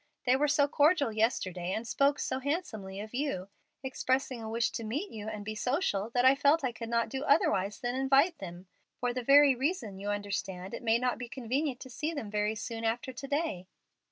They were so cordial yesterday, and spoke so handsomely of you, expressing a wish to meet you and be social, that I felt that I could not do otherwise than invite them. For reasons you understand it may not be convenient to see them very soon after to day."